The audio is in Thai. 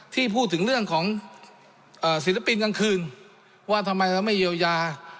ที่พูดถึงเรื่องของศิลปินกลางคืนว่าทำไมเราไม่เยียวยา